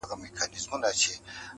بس ستانکزیه صرف په هیله اوامیدکی اوسه